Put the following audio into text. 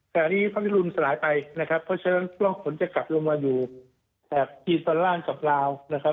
แต่อันนี้พระพิรุณสลายไปนะครับเพราะฉะนั้นช่วงฝนจะกลับลงมาอยู่แถบจีนตอนล่างกับลาวนะครับ